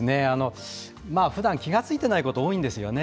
ふだん気が付いていないことが多いんですね。